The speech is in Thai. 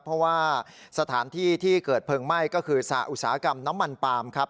เพราะว่าสถานที่ที่เกิดเพลิงไหม้ก็คือสหอุตสาหกรรมน้ำมันปาล์มครับ